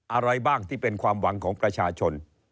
อะไรบ้างที่เป็นความหวังของประชาชน